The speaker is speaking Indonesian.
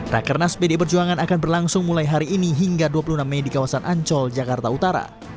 rakernas pd perjuangan akan berlangsung mulai hari ini hingga dua puluh enam mei di kawasan ancol jakarta utara